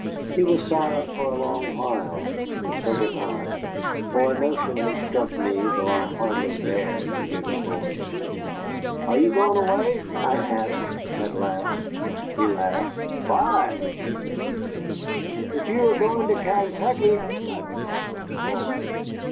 He was silent for a long while, and so was I. For a notion had struck me, though I hardly dared to give it voice. "Are you going away?" I asked at last. He laughed. "Why?" said he. "If you were going to Kaintuckee " I began, and faltered.